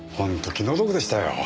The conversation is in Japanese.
気の毒でしたよ。